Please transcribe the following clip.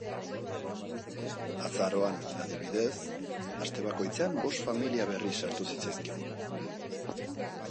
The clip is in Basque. Arazoan, adibidez, aste bakoitzean bost familia berri sartu zitzaizkigun.